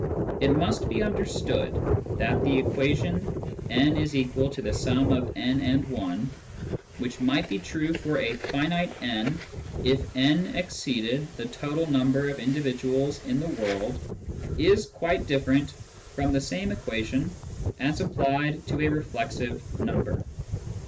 It must be understood that the equation w=w+i, which might be true for a finite » if n exceeded the total number of individuals in the world, is quite different from the same equation as applied to a reflexive number.